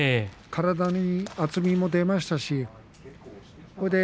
体に厚みも出ましたし。